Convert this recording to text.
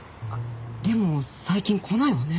でも最近来ないわね。